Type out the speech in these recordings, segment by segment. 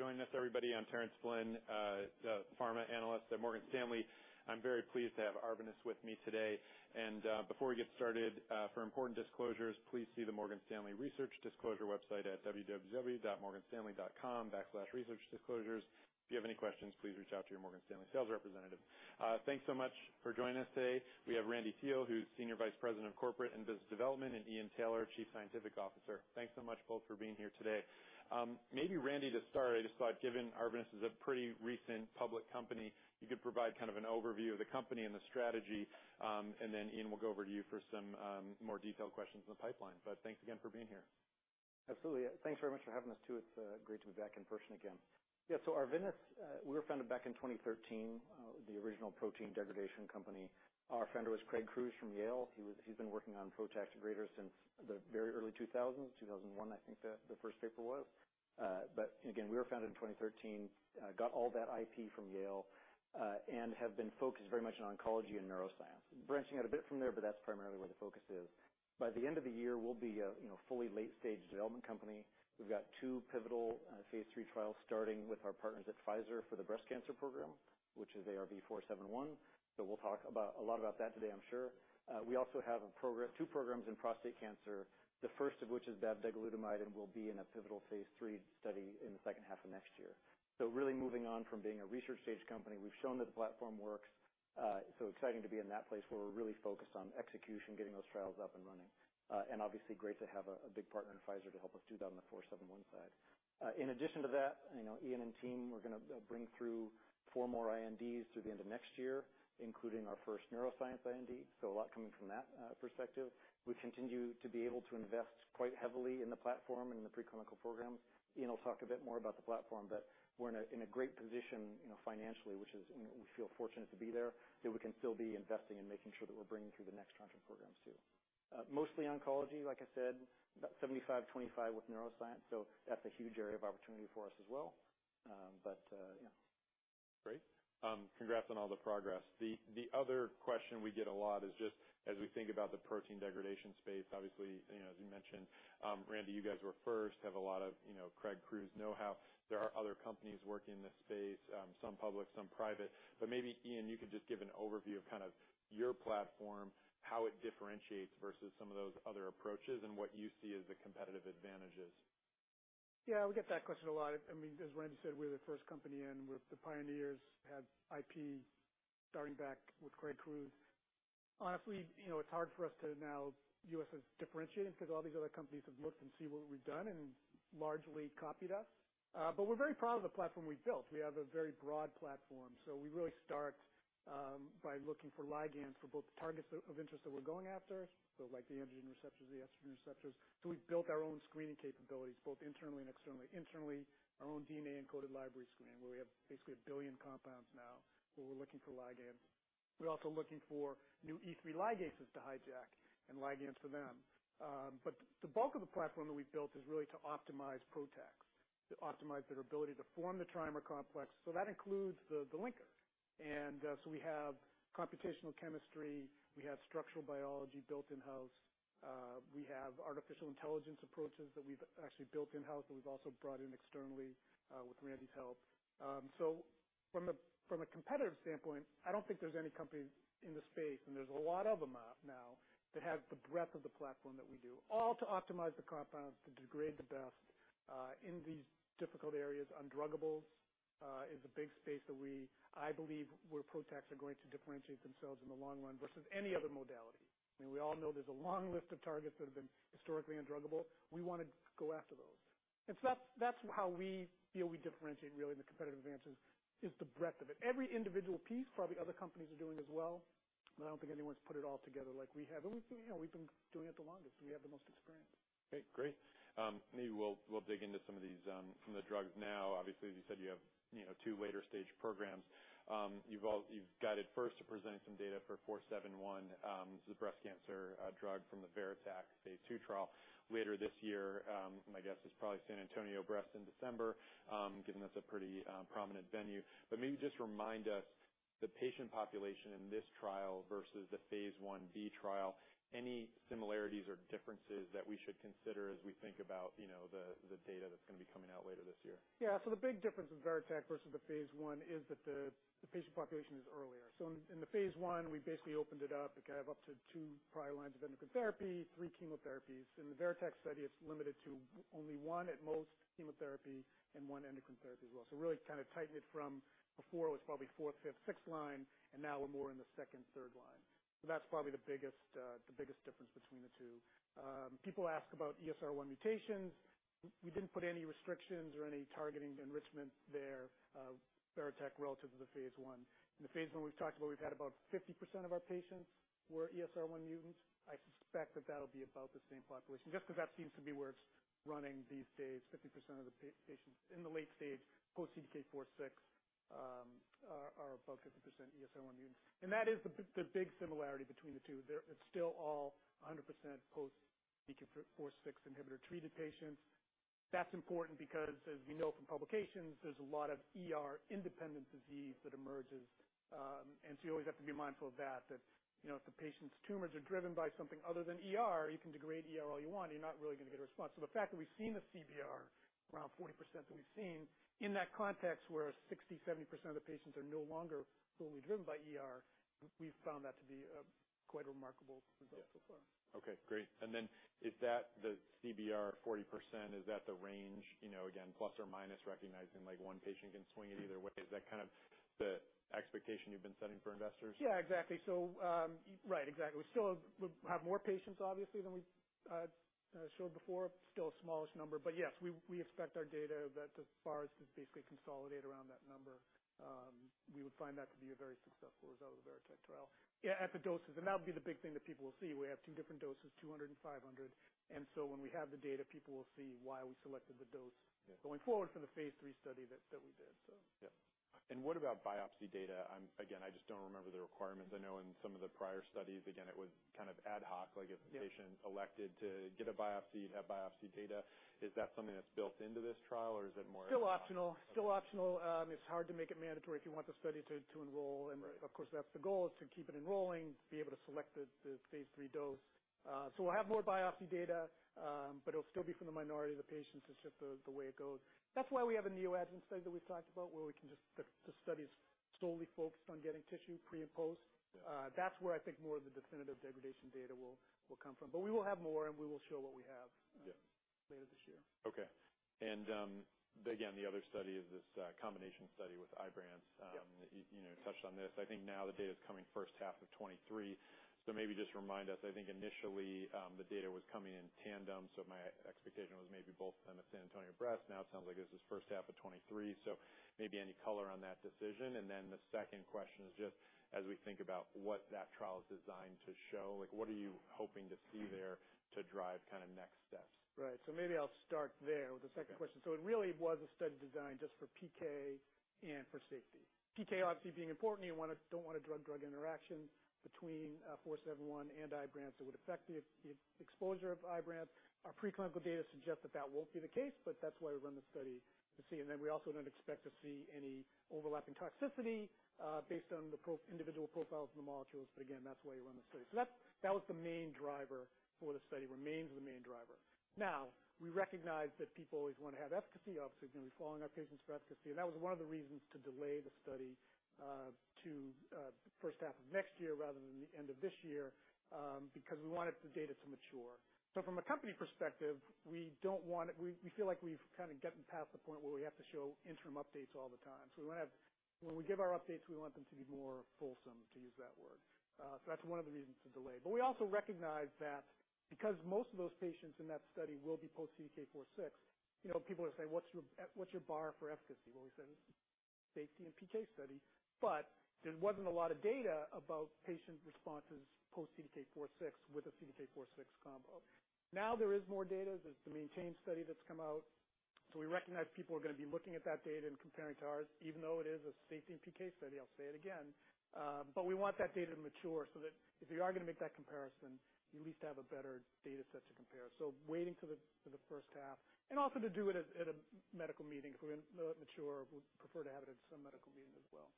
Great. Thanks for joining us everybody. I'm Terence Flynn, the pharma analyst at Morgan Stanley. I'm very pleased to have Arvinas with me today. Before we get started, for important disclosures, please see the Morgan Stanley research disclosure website at www.morganstanley.com/researchdisclosures. If you have any questions, please reach out to your Morgan Stanley sales representative. Thanks so much for joining us today. We have Randy Teel, who's Senior Vice President of Corporate and Business Development, and Ian Taylor, Chief Scientific Officer. Thanks so much both for being here today. Maybe Randy, to start, I just thought given Arvinas is a pretty recent public company, you could provide kind of an overview of the company and the strategy. Then Ian, we'll go over to you for some more detailed questions on the pipeline. Thanks again for being here. Absolutely. Thanks very much for having us too. It's great to be back in person again. Yeah. Arvinas, we were founded back in 2013. The original protein degradation company. Our founder was Craig Crews from Yale. He's been working on PROTAC degraders since the very early 2000s, 2001 I think the first paper was. Again, we were founded in 2013. Got all that IP from Yale, and have been focused very much on oncology and neuroscience. Branching out a bit from there, but that's primarily where the focus is. By the end of the year, we'll be a you know, fully late-stage development company. We've got two pivotal phase III trials starting with our partners at Pfizer for the breast cancer program, which is ARV-471. We'll talk about a lot about that today, I'm sure. We also have a program, two programs in prostate cancer, the first of which is Bavdegalutamide, and will be in a pivotal phase III study in the second half of next year. Really moving on from being a research stage company. We've shown that the platform works. So exciting to be in that place where we're really focused on execution, getting those trials up and running. And obviously great to have a big partner in Pfizer to help us do that on the ARV-471 side. In addition to that, you know, Ian and team were gonna bring through four more INDs through the end of next year, including our first neuroscience IND, so a lot coming from that perspective. We continue to be able to invest quite heavily in the platform and in the preclinical programs. Ian will talk a bit more about the platform, but we're in a great position, you know, financially, and we feel fortunate to be there, that we can still be investing and making sure that we're bringing through the next tranche of programs too. Mostly oncology, like I said, about 75-25 with neuroscience, so that's a huge area of opportunity for us as well. Great. Congrats on all the progress. The other question we get a lot is just as we think about the protein degradation space, obviously, you know, as you mentioned, Randy, you guys were first, have a lot of, you know, Craig Crews know-how. There are other companies working in this space, some public, some private. Maybe Ian, you could just give an overview of kind of your platform, how it differentiates versus some of those other approaches and what you see as the competitive advantages. Yeah, we get that question a lot. I mean, as Randy Teel said, we're the first company in, we're the pioneers, had IP starting back with Craig Crews. Honestly, you know, it's hard for us to now differentiate because all these other companies have looked and seen what we've done and largely copied us. But we're very proud of the platform we've built. We have a very broad platform, so we really start by looking for ligands for both the targets of interest that we're going after, so like the androgen receptors, the estrogen receptors. We've built our own screening capabilities both internally and externally. Internally, our own DNA-encoded library screen, where we have basically 1 billion compounds now, where we're looking for ligands. We're also looking for new E3 ligases to hijack and ligands for them. The bulk of the platform that we've built is really to optimize PROTACs, to optimize their ability to form the trimer complex. That includes the linker. We have computational chemistry, we have structural biology built in-house. We have artificial intelligence approaches that we've actually built in-house, but we've also brought in externally with Randy's help. From a competitive standpoint, I don't think there's any company in the space, and there's a lot of them out now, that have the breadth of the platform that we do, all to optimize the compounds to degrade the best in these difficult areas. Undruggables is a big space that we believe where PROTACs are going to differentiate themselves in the long run versus any other modality. I mean, we all know there's a long list of targets that have been historically undruggable. We wanna go after those. That's how we feel we differentiate really in the competitive advances, is the breadth of it. Every individual piece, probably other companies are doing as well, but I don't think anyone's put it all together like we have. We've, you know, we've been doing it the longest, and we have the most experience. Okay, great. Maybe we'll dig into some of these, some of the drugs now. Obviously, as you said, you have, you know, two later stage programs. You've guided first to presenting some data for ARV-471, the breast cancer drug from the VERITAC phase I trial later this year. My guess is probably San Antonio Breast in December, giving us a pretty prominent venue. Maybe just remind us the patient population in this trial versus the phaseI-B trial. Any similarities or differences that we should consider as we think about, you know, the data that's gonna be coming out later this year? Yeah. The big difference with VERITAC versus the phase I is that the patient population is earlier. In the phase I, we basically opened it up, okay, I have up to two prior lines of endocrine therapy, three chemotherapies. In the VERITAC study, it's limited to only one at most chemotherapy and one endocrine therapy as well. Really kind of tightened it from before it was probably fourth, fifth, sixth line, and now we're more in the second, third line. That's probably the biggest difference between the two. People ask about ESR1 mutations. We didn't put any restrictions or any targeting enrichment there, VERITAC relative to the phase I. In the phase I we've talked about, we've had about 50% of our patients were ESR1 mutants. I suspect that that'll be about the same population, just 'cause that seems to be where it's running these days. 50% of the patients in the late stage post CDK4/6 are about 50% ESR1 mutant. That is the big similarity between the two. It's still all 100% post CDK4/6 inhibitor-treated patients. That's important because as we know from publications, there's a lot of ER independent disease that emerges. You always have to be mindful of that, you know, if the patient's tumors are driven by something other than ER, you can degrade ER all you want, you're not really gonna get a response. The fact that we've seen the CBR around 40% that we've seen in that context, where 60%- 70% of the patients are no longer solely driven by ER, we've found that to be quite a remarkable result so far. Okay, great. Is that the CBR 40%, is that the range, you know, again, plus or minus recognizing like one patient can swing it either way. Is that kind of the expectation you've been setting for investors? Yeah, exactly. Right, exactly. We still have more patients obviously, than we had, showed before. Still a smallish number, but yes, we expect our data that as far as to basically consolidate around that number, we would find that to be a very successful result of the VERITAC trial. Yeah, at the doses, and that would be the big thing that people will see. We have two different doses, 200 and 500, and so when we have the data, people will see why we selected the dose. Yeah. Going forward from the phase III study that we did, so. Yeah. What about biopsy data? Again, I just don't remember the requirements. I know in some of the prior studies, again, it was kind of ad hoc, like if- Yeah. The patient elected to get a biopsy to have biopsy data. Is that something that's built into this trial or is it more- Still optional. Okay. Still optional. It's hard to make it mandatory if you want the study to enroll. Right. Of course, that's the goal, is to keep it enrolling, to be able to select the phase three dose. We'll have more biopsy data, but it'll still be from the minority of the patients. It's just the way it goes. That's why we have a neoadjuvant study that we've talked about. The study is solely focused on getting tissue pre and post. Yeah. That's where I think more of the definitive degradation data will come from. We will have more, and we will show what we have. Yeah. later this year. Okay. Again, the other study is this combination study with Ibrance. Yeah. You know, touched on this. I think now the data is coming first half of 2023. Maybe just remind us. I think initially, the data was coming in tandem, so my expectation was maybe both in the San Antonio Breast. Now it sounds like this is first half of 2023, so maybe any color on that decision. The second question is just as we think about what that trial is designed to show, like, what are you hoping to see there to drive kinda next steps? Right. Maybe I'll start there with the second question. Yeah. It really was a study design just for PK and for safety. PK obviously being important, you don't want a drug-drug interaction between ARV-471 and IBRANCE that would affect the exposure of IBRANCE. Our preclinical data suggests that won't be the case, but that's why we run the study to see. Then we also don't expect to see any overlapping toxicity based on the individual profiles of the molecules. Again, that's why you run the study. That was the main driver for the study, remains the main driver. Now, we recognize that people always wanna have efficacy. Obviously, we're gonna be following our patients for efficacy, and that was one of the reasons to delay the study to first half of next year rather than the end of this year, because we wanted the data to mature. From a company perspective, we don't want it. We feel like we've kinda gotten past the point where we have to show interim updates all the time. We wanna have when we give our updates, we want them to be more fulsome, to use that word. That's one of the reasons to delay. We also recognize that because most of those patients in that study will be post CDK4/6, you know, people are gonna say, "What's your bar for efficacy?" Well, we say it's a safety and PK study, but there wasn't a lot of data about patient responses post CDK4/6 with a CDK4/6 combo. Now there is more data. There's the MAINTAIN study that's come out, so we recognize people are gonna be looking at that data and comparing to ours, even though it is a safety and PK study. I'll say it again. We want that data to mature so that if you are gonna make that comparison, you at least have a better data set to compare. Waiting till the first half, and also to do it at a medical meeting. If we're gonna let it mature, we'd prefer to have it at some medical meeting as well.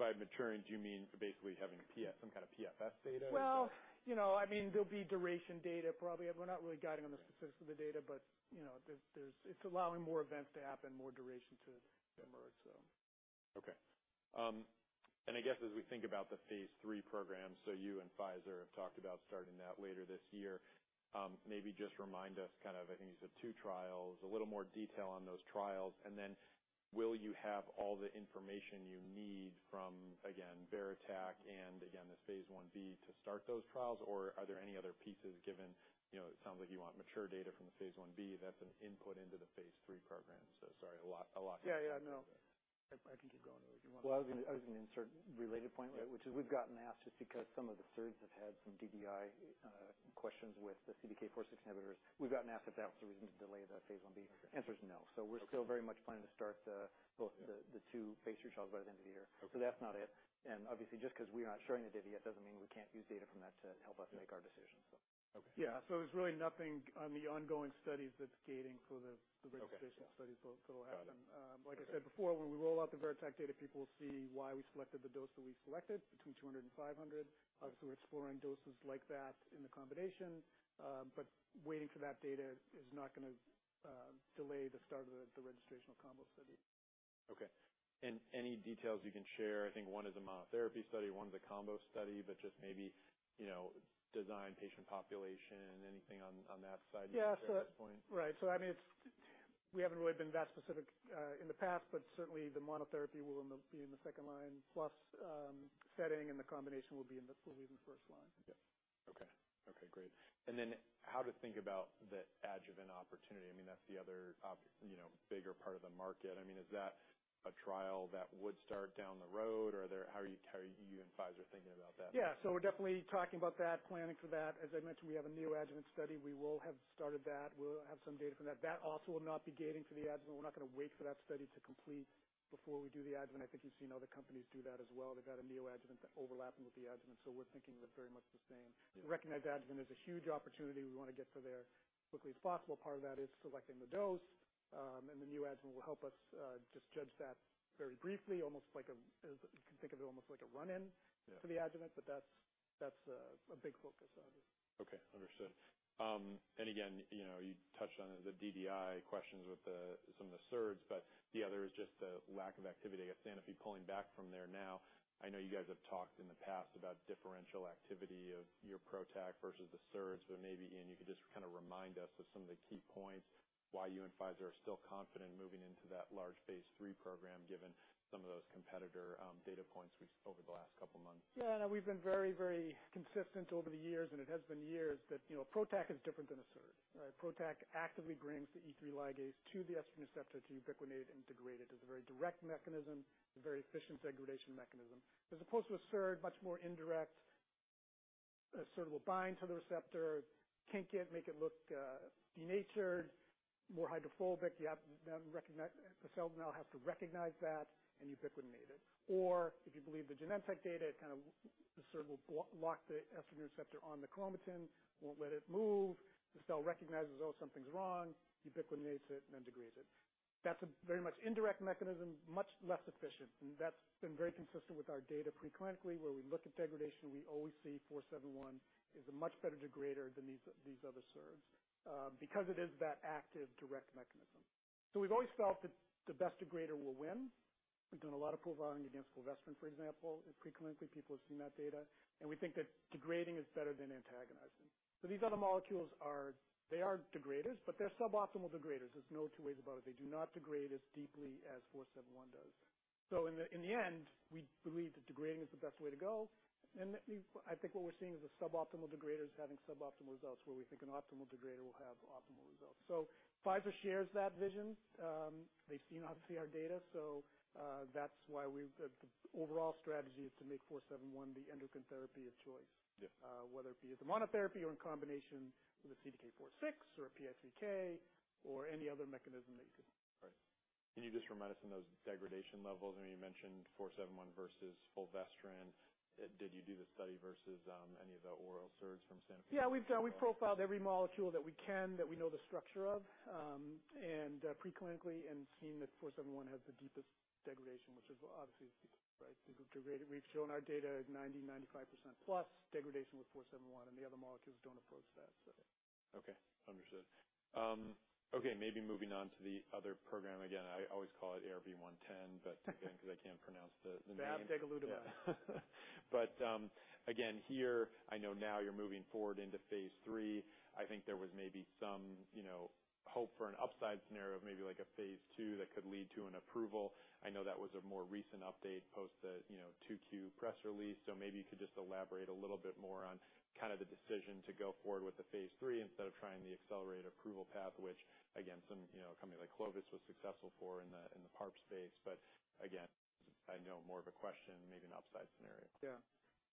Okay. By maturing, do you mean basically having PFS, some kind of PFS data or? Well, you know, I mean, there'll be duration data probably. We're not really guiding on the specifics of the data, but, you know, there's. It's allowing more events to happen, more duration to emerge, so. Okay. I guess as we think about the phase three program, you and Pfizer have talked about starting that later this year. Maybe just remind us, kind of, I think you said two trials, a little more detail on those trials. Then will you have all the information you need from, again, VERITAC and again, this phase I-B to start those trials? Or are there any other pieces given, you know, it sounds like you want mature data from the phase I-B, that's an input into the phase three program. Sorry, a lot here. Yeah, yeah, no. I can keep going if you want. Well, I was gonna insert related point. Yeah. Which is we've gotten asked just because some of the SERDs have had some DDI questions with the CDK4/6 inhibitors. We've gotten asked if that was the reason to delay the phase I-B. Answer is no. Okay. We're still very much planning to start both the two phase three trials by the end of the year. Okay. That's not it. Obviously, just 'cause we are not sharing the data yet doesn't mean we can't use data from that to help us make our decisions, so. Okay. Yeah. There's really nothing on the ongoing studies that's gating for the registration studies. Okay. Got it. That will happen. Like I said before, when we roll out the VERITAC data, people will see why we selected the dose that we selected between 200 and 500. Okay. Obviously, we're exploring doses like that in the combination, but waiting for that data is not gonna delay the start of the registrational combo study. Okay. Any details you can share? I think one is a monotherapy study, one is a combo study, but just maybe, you know, design, patient population, anything on that side you can share at this point? I mean, we haven't really been that specific in the past, but certainly the monotherapy will be in the second line plus setting, and the combination will be in the first line. Yeah. Okay. Okay, great. How to think about the adjuvant opportunity. I mean, that's the other you know, bigger part of the market. I mean, is that a trial that would start down the road? Or there, how are you and Pfizer thinking about that? Yeah. We're definitely talking about that, planning for that. As I mentioned, we have a neoadjuvant study. We will have started that. We'll have some data from that. That also will not be gating for the adjuvant. We're not gonna wait for that study to complete before we do the adjuvant. I think you've seen other companies do that as well. They've got a neoadjuvant overlapping with the adjuvant. We're thinking very much the same. Yeah. We recognize adjuvant is a huge opportunity. We wanna get there as quickly as possible. Part of that is selecting the dose, and the neoadjuvant will help us just judge that very briefly, as you can think of it almost like a run-in- Yeah for the adjuvant, but that's a big focus, obviously. Okay. Understood. Again, you know, you touched on the DDI questions with some of the SERDs, but the other is just the lack of activity of Sanofi pulling back from there now. I know you guys have talked in the past about differential activity of your PROTAC versus the SERDs, but maybe, Ian, you could just kinda remind us of some of the key points why you and Pfizer are still confident moving into that large phase three program, given some of those competitor data points over the last couple of months. Yeah, no, we've been very, very consistent over the years, and it has been years that, you know, PROTAC is different than a SERD. All right? PROTAC actively brings the E3 ligase to the estrogen receptor to ubiquitinate and degrade it. It's a very direct mechanism. It's a very efficient degradation mechanism. As opposed to a SERD, much more indirect. A SERD will bind to the receptor, kink it, make it look denatured, more hydrophobic. The cell now has to recognize that and ubiquitinate it. Or if you believe the Genentech data, it kind of, the SERD will block the estrogen receptor on the chromatin, won't let it move. The cell recognizes, "Oh, something's wrong," ubiquitinates it, and then degrades it. That's a very much indirect mechanism, much less efficient, and that's been very consistent with our data pre-clinically, where we look at degradation, we always see 471 is a much better degrader than these other SERDs, because it is that active direct mechanism. We've always felt that the best degrader will win. We've done a lot of profiling against fulvestrant, for example. Pre-clinically, people have seen that data, and we think that degrading is better than antagonizing. These other molecules are degraders, but they're suboptimal degraders. There's no two ways about it. They do not degrade as deeply as 471 does. In the end, we believe that degrading is the best way to go. I think what we're seeing is the suboptimal degraders having suboptimal results, where we think an optimal degrader will have optimal results. Pfizer shares that vision. They've seen obviously our data, that's why we've. The overall strategy is to make ARV-471 the endocrine therapy of choice. Yeah. Whether it be as a monotherapy or in combination with a CDK4/6 or a PI3K or any other mechanism that you could. Right. Can you just remind us on those degradation levels? I mean, you mentioned ARV-471 versus fulvestrant. Did you do the study versus any of the oral SERDs from Sanofi? Yeah, we've done. We've profiled every molecule that we can, that we know the structure of, and preclinically and seen that 471 has the deepest degradation, which is obviously right. We've degraded. We've shown our data as 90, 95% plus degradation with 471, and the other molecules don't approach that, so. Okay. Understood. Okay, maybe moving on to the other program. Again, I always call it ARV-110, but again, 'cause I can't pronounce the name. Bavdegalutamide. Again, here, I know now you're moving forward into phase three. I think there was maybe some, you know, hope for an upside scenario of maybe like a phase two that could lead to an approval. I know that was a more recent update, post the, you know, 2Q press release. So maybe you could just elaborate a little bit more on kind of the decision to go forward with the phase three instead of trying the accelerated approval path, which again, some, you know, a company like Clovis was successful for in the PARP space. Again, I know more of a question, maybe an upside scenario. Yeah.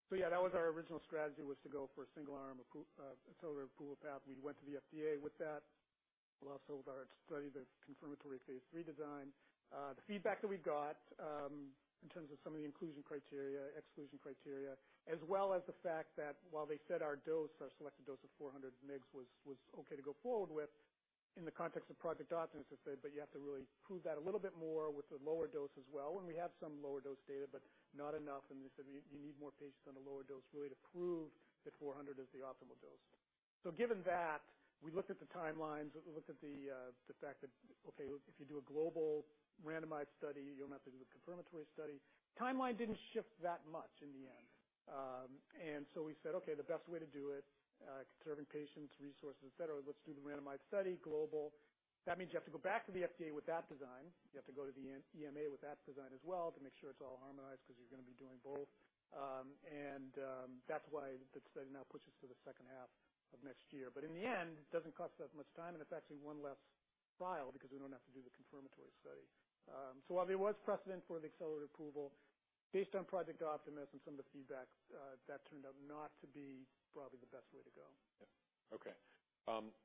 Yeah, that was our original strategy was to go for a single-arm accelerated approval path. We went to the FDA with that, but also with our study, the confirmatory phase three design. The feedback that we got, in terms of some of the inclusion criteria, exclusion criteria, as well as the fact that while they set our dose, our selected dose of 400 mg was okay to go forward with in the context of Project Optimus, they said, "But you have to really prove that a little bit more with the lower dose as well." We have some lower dose data, but not enough, and they said, "You need more patients on a lower dose really to prove that 400 is the optimal dose." Given that, we looked at the timelines. We looked at the fact that, okay, if you do a global randomized study, you're gonna have to do the confirmatory study. Timeline didn't shift that much in the end. We said, "Okay, the best way to do it, conserving patients, resources, et cetera, let's do the randomized study global." That means you have to go back to the FDA with that design. You have to go to the EMA with that design as well to make sure it's all harmonized 'cause you're gonna be doing both. That's why the study now pushes to the second half of next year. In the end, it doesn't cost us much time, and it's actually one less trial because we don't have to do the confirmatory study. While there was precedent for the accelerated approval, based on Project Optimus, some of the feedback that turned out not to be probably the best way to go. Yeah. Okay.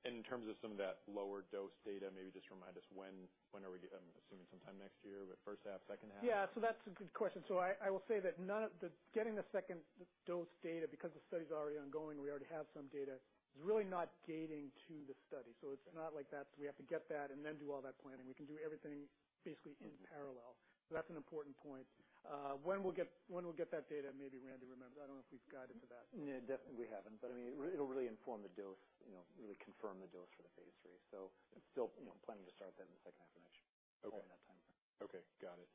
In terms of some of that lower dose data, maybe just remind us when we are. I'm assuming sometime next year, but first half, second half? Yeah. That's a good question. I will say that none of the getting the second dose data because the study's already ongoing, we already have some data, is really not gating to the study. It's not like that's, we have to get that and then do all that planning. We can do everything basically in parallel. That's an important point. When we'll get that data, maybe Randy remembers. I don't know if we've guided to that. Yeah, definitely we haven't. I mean, it'll really inform the dose, you know, really confirm the dose for the phase three. Still, you know, planning to start that in the second half of next year. Okay during that timeframe. Okay. Got it.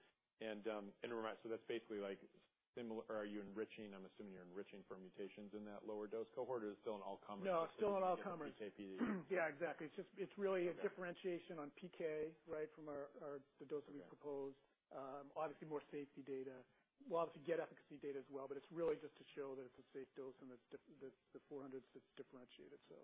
Are you enriching? I'm assuming you're enriching for mutations in that lower dose cohort, or is it still an all-comers? No, it's still an all-comers. PK, PD. Yeah, exactly. It's just, it's really. Okay A differentiation on PK, right? From our the dose that we proposed. Obviously more safety data. We'll obviously get efficacy data as well, but it's really just to show that it's a safe dose and it's the 400's differentiated, so.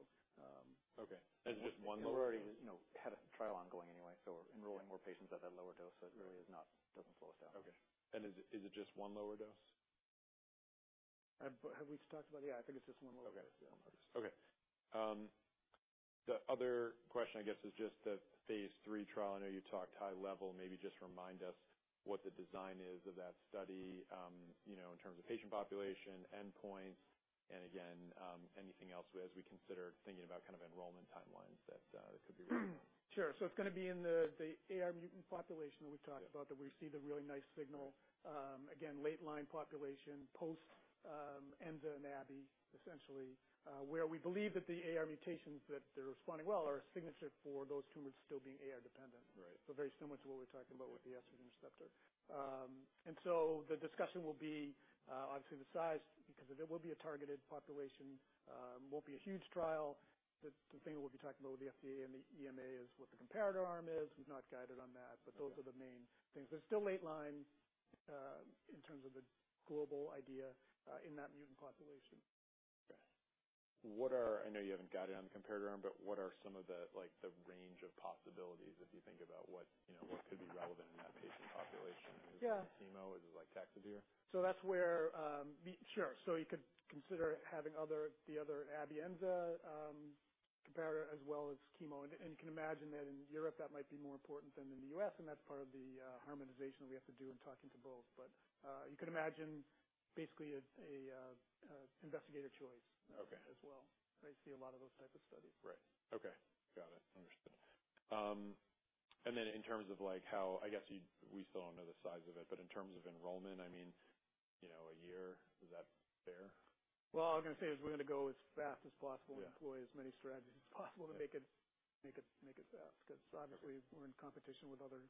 Okay. Is it just one lower dose? We're already, you know, had a trial ongoing anyway, so enrolling more patients at that lower dose doesn't slow us down much. Okay. Is it just one lower dose? Have we talked about? Yeah, I think it's just one more. Okay. The other question I guess is just the phase three trial. I know you talked high level. Maybe just remind us what the design is of that study, you know, in terms of patient population, endpoints, and again, anything else as we consider thinking about kind of enrollment timelines that could be relevant. Sure. It's gonna be in the AR mutant population that we talked about. Yeah. that we see the really nice signal. Again, late line population, post enza and abiraterone, essentially, where we believe that the AR mutations that they're responding well are a signature for those tumors still being AR dependent. Right. Very similar to what we're talking about with the estrogen receptor. The discussion will be obviously the size, because it will be a targeted population, it won't be a huge trial. The thing that we'll be talking about with the FDA and the EMA is what the comparator arm is. We've not guided on that, but those are the main things. It's still late line, in terms of the global idea, in that mutant population. Okay. I know you haven't guided on the comparator arm, but what are some of the, like, the range of possibilities if you think about what, you know, what could be relevant in that patient population? Yeah. Is it like chemo? Is it like Taxotere? That's where the. Sure. You could consider having the other abiraterone/enza comparator as well as chemo. You can imagine that in Europe that might be more important than in the U.S., and that's part of the harmonization we have to do in talking to both. You could imagine basically a investigational choice. Okay. As well. I see a lot of those type of studies. Right. Okay. Got it. Understood. In terms of like how I guess you, we still don't know the size of it, but in terms of enrollment, I mean, you know, a year, is that fair? Well, all I'm gonna say is we're gonna go as fast as possible. Yeah. Employ as many strategies as possible to make it fast. 'Cause obviously we're in competition with other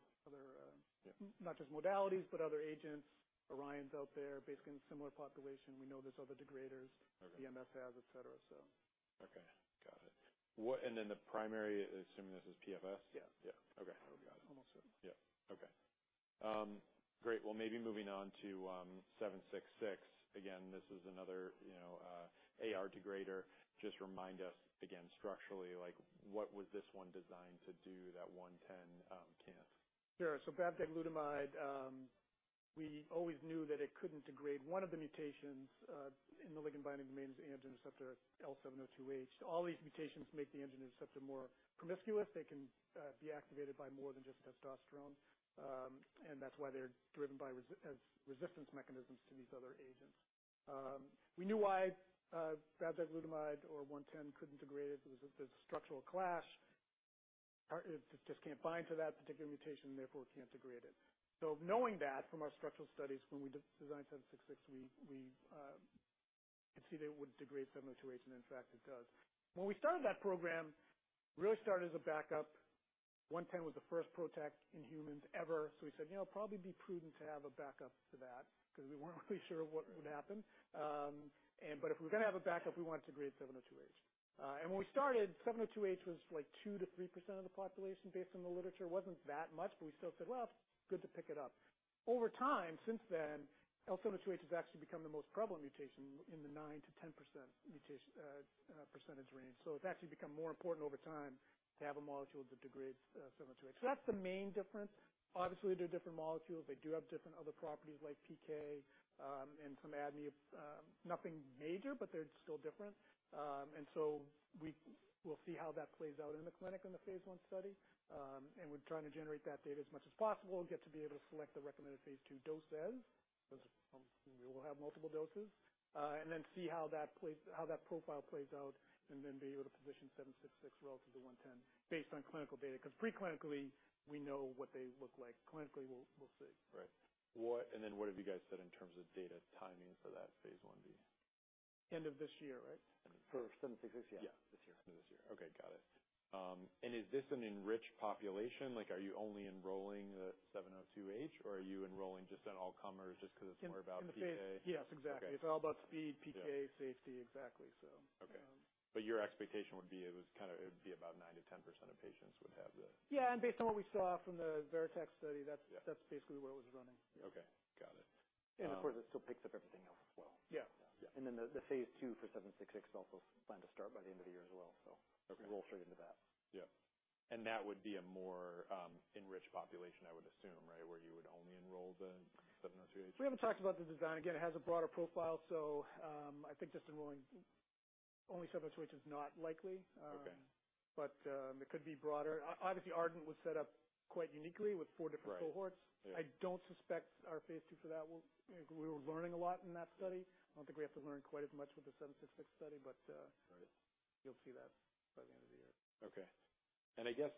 Yeah. Not just modalities, but other agents. Orion's out there, basically in a similar population. We know there's other degraders. Okay. BMF has, et cetera, so. Okay. Got it. The primary, assuming this is PFS? Yeah. Yeah. Okay. Got it. Almost it. Yeah. Okay. Great. Well, maybe moving on to 766. Again, this is another, you know, AR degrader. Just remind us again structurally, like what was this one designed to do that 110 can't? Sure. Bavdegalutamide, we always knew that it couldn't degrade one of the mutations in the ligand binding domain of the androgen receptor, L702H. All these mutations make the androgen receptor more promiscuous. They can be activated by more than just testosterone. That's why they're as resistance mechanisms to these other agents. We knew why bavdegalutamide or ARV-110 couldn't degrade it, there's structural clash. It just can't bind to that particular mutation, therefore it can't degrade it. Knowing that from our structural studies, when we designed ARV-766, we could see that it would degrade L702H, and in fact, it does. When we started that program, really started as a backup. ARV-110 was the first PROTAC in humans ever. We said, "You know, it'd probably be prudent to have a backup to that," because we weren't really sure what would happen. But if we're gonna have a backup, we want it to degrade L702H. When we started, L702H was like 2%-3% of the population based on the literature. It wasn't that much, but we still said, "Well, good to pick it up." Over time, since then, L702H has actually become the most prevalent mutation in the 9%-10% percentage range. It's actually become more important over time to have a molecule that degrades L702H. That's the main difference. Obviously, they're different molecules. They do have different other properties like PK, and some ADME, nothing major, but they're still different. We'll see how that plays out in the clinic in the phase one study. We're trying to generate that data as much as possible and get to be able to select the recommended phase two doses, because we will have multiple doses. Then see how that plays, how that profile plays out, and then be able to position 766 well to the 110 based on clinical data. 'Cause preclinically, we know what they look like. Clinically, we'll see. Right. What have you guys said in terms of data timing for that phase I-B? End of this year, right? End of this year. ARV-766, yeah. Yeah. This year. End of this year. Okay. Got it. Is this an enriched population? Like, are you only enrolling the L702H, or are you enrolling just an all comers just 'cause it's more about PK? Yes, exactly. Okay. It's all about speed, PK. Yeah. Safety, exactly, so. Okay. Um. Your expectation would be it would be about 9%-10% of patients would have the. Yeah, based on what we saw from the Vertex study. Yeah. That's basically where it was running. Okay. Got it. Of course, it still picks up everything else as well. Yeah. Yeah. The phase two for ARV-766 is also planned to start by the end of the year as well. Okay. We'll roll straight into that. Yeah. That would be a more enriched population, I would assume, right? Where you would only enroll the L702H. We haven't talked about the design. Again, it has a broader profile, so, I think just enrolling only L702H is not likely. Okay. it could be broader. Obviously, ARDENT was set up quite uniquely with four different cohorts. Right. Yeah. We were learning a lot in that study. I don't think we have to learn quite as much with the ARV-766 study, but. Right. You'll see that by the end of the year. Okay. I guess,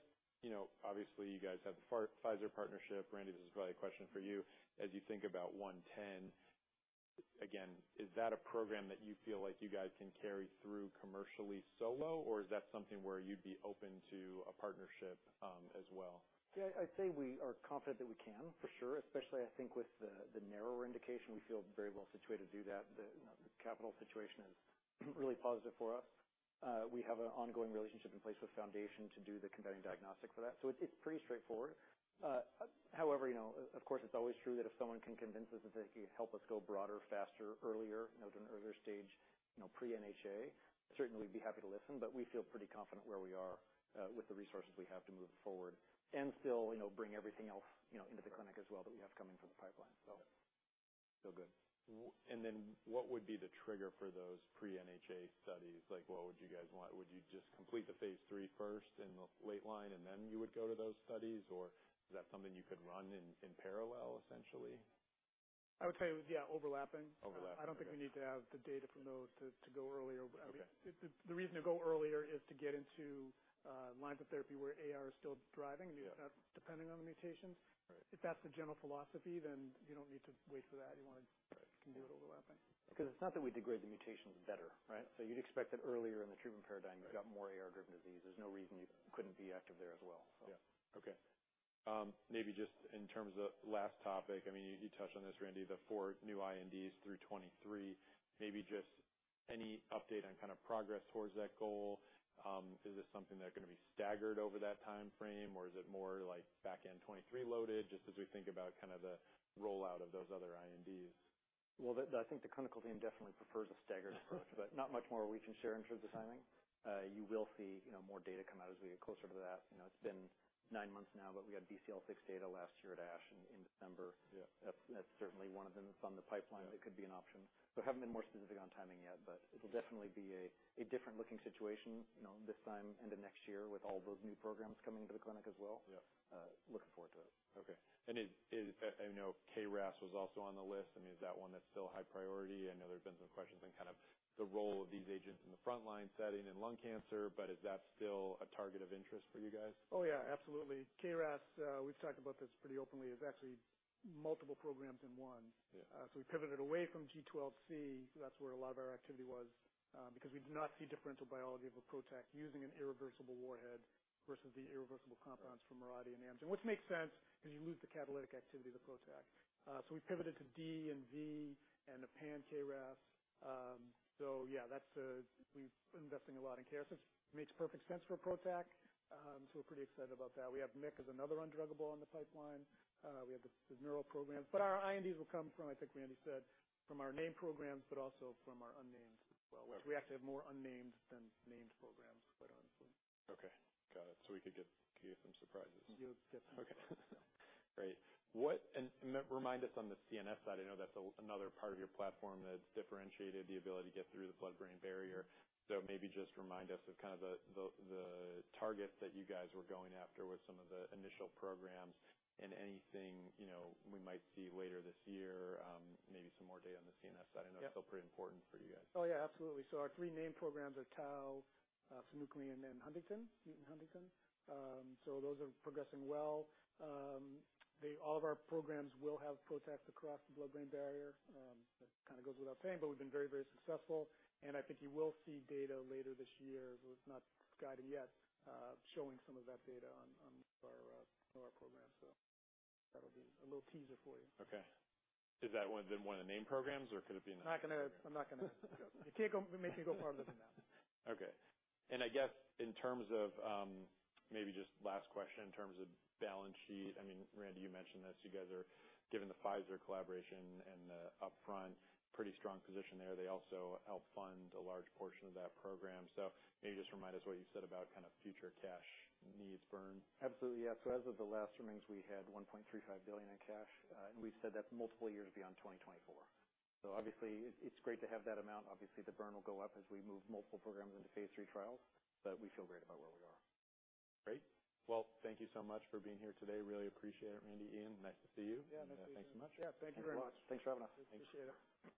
you know, obviously, you guys have the Pfizer partnership. Randy, this is probably a question for you. As you think about one ten, again, is that a program that you feel like you guys can carry through commercially solo, or is that something where you'd be open to a partnership, as well? Yeah. I'd say we are confident that we can, for sure. Especially I think with the narrower indication, we feel very well situated to do that. The capital situation is really positive for us. We have an ongoing relationship in place with Foundation Medicine to do the companion diagnostic for that. So it's pretty straightforward. However, you know, of course, it's always true that if someone can convince us that they can help us go broader, faster, earlier, you know, at an earlier stage, you know, pre NHA, certainly we'd be happy to listen. But we feel pretty confident where we are, with the resources we have to move forward and still, you know, bring everything else, you know, into the clinic as well. Good. What would be the trigger for those pre-NHA studies? Like, what would you guys want? Would you just complete the phase three first in the late line, and then you would go to those studies? Or is that something you could run in parallel, essentially? I would tell you, yeah, overlapping. Overlapping. Okay. I don't think we need to have the data from those to go earlier. I mean. Okay. The reason to go earlier is to get into lines of therapy where AR is still driving. Yeah. You know, depending on the mutations. Right. If that's the general philosophy, then you don't need to wait for that. You wanna Right. Can do it overlapping. Because it's not that we degrade the mutations better, right? You'd expect that earlier in the treatment paradigm- Right. You've got more AR-driven disease. There's no reason you couldn't be active there as well, so. Yeah. Okay. Maybe just in terms of last topic, I mean, you touched on this, Randy, the four new INDs through 2023. Maybe just any update on kind of progress towards that goal? Is this something that are gonna be staggered over that timeframe, or is it more like back-end 2023 loaded, just as we think about kind of the rollout of those other INDs? Well, I think the clinical team definitely prefers a staggered approach. Not much more we can share in terms of timing. You will see, you know, more data come out as we get closer to that. You know, it's been nine months now, but we had BCL-6 data last year at ASH in December. Yeah. That's certainly one of them that's on the pipeline. Yeah. That could be an option. Haven't been more specific on timing yet, but it'll definitely be a different-looking situation, you know, this time into next year with all those new programs coming into the clinic as well. Yeah. Looking forward to it. Okay. I know KRAS was also on the list. I mean, is that one that's still high priority? I know there's been some questions on kind of the role of these agents in the frontline setting in lung cancer, but is that still a target of interest for you guys? Oh, yeah. Absolutely. KRAS, we've talked about this pretty openly, is actually multiple programs in one. Yeah. We pivoted away from G12C, that's where a lot of our activity was, because we do not see differential biology of a PROTAC using an irreversible warhead versus the irreversible compounds from Mirati and Amgen. Which makes sense, because you lose the catalytic activity of the PROTAC. We pivoted to G12D and G12V and a pan-KRAS. We've been investing a lot in KRAS. It makes perfect sense for a PROTAC, so we're pretty excited about that. We have MYC as another undruggable on the pipeline. We have the neural programs. Our INDs will come from, I think Randy said, from our named programs, but also from our unnamed as well. Right. We actually have more unnamed than named programs quite honestly. Okay. Got it. We could get some surprises. You'll get some. Okay. Great. Remind us on the CNS side. I know that's another part of your platform that's differentiated, the ability to get through the blood-brain barrier. Maybe just remind us of kind of the targets that you guys were going after with some of the initial programs and anything, you know, we might see later this year, maybe some more data on the CNS side. Yeah. I know that's still pretty important for you guys. Oh, yeah. Absolutely. Our three named programs are tau, synuclein, and then huntingtin, mutant huntingtin. Those are progressing well. All of our programs will have PROTACs across the blood-brain barrier, that kind of goes without saying, but we've been very, very successful. I think you will see data later this year, but we've not guided yet, showing some of that data on our programs. That'll be a little teaser for you. Okay. Is that one of the named programs or could it be an unnamed program? I'm not gonna disclose. You can't go make me go farther than that. Okay. I guess in terms of, maybe just last question in terms of balance sheet. I mean, Randy, you mentioned this, you guys are, given the Pfizer collaboration and the upfront, pretty strong position there. They also help fund a large portion of that program. Maybe just remind us what you said about kind of future cash needs burn. Absolutely. Yeah. As of the last earnings, we had $1.35 billion in cash. We've said that's multiple years beyond 2024. Obviously it's great to have that amount. Obviously, the burn will go up as we move multiple programs into phase three trials, but we feel great about where we are. Great. Well, thank you so much for being here today. Really appreciate it, Randy. Ian, nice to see you. Yeah. Nice to see you. Thanks so much. Yeah. Thank you very much. Thanks for having us. Thanks. Appreciate it.